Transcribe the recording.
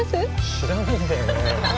知らないんだよね。